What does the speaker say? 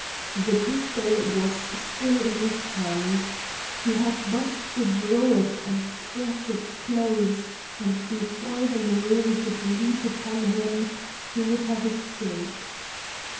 The pistol was still in his hand. He had but to draw it and press it close, and before the marine could leap upon him he would have escaped.